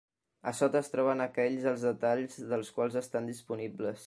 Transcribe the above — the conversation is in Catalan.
A sota es troben aquells els detalls dels quals estan disponibles.